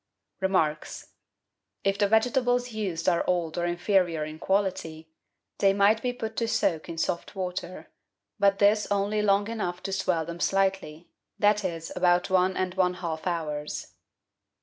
Remarks. — If the vegetables used are old or inferior in quality, they might be put to soak in soft water; but this only long enough to swell them slightly, i.e., about one and one half hours.